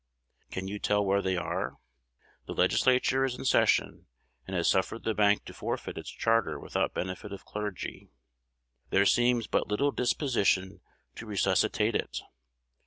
Can you tell where they are? The Legislature is in session, and has suffered the bank to forfeit its charter without benefit of clergy. There seems but little disposition to resuscitate it.